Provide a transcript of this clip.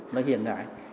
nó hiện tại